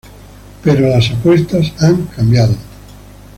Pero las apuestas han cambiado.